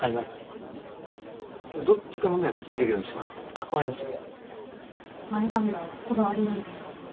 あっ分かりました。